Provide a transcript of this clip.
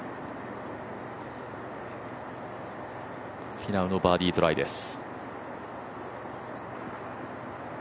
フィナウのバーディートライです。